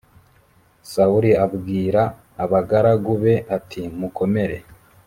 sawuli abwira abagaragu be ati mukomere